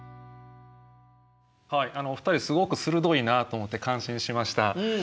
はいお二人すごく鋭いなと思って感心しました。